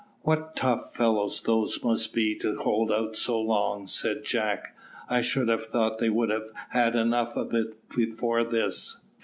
"What tough fellows those must be to hold out so long," said Jack. "I should have thought they would have had enough of it before this."